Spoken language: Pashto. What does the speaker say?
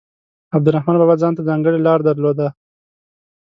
عبدالرحمان بابا ځانته ځانګړې لاره درلوده.